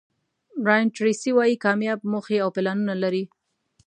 برایان ټریسي وایي کامیاب موخې او پلانونه لري.